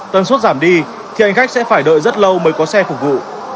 tần suất giảm đi thì hành khách sẽ phải đợi rất lâu mới có xe phục vụ